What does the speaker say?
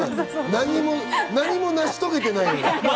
何も成し遂げてない。